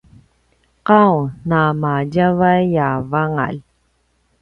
qau na madjavay a vangalj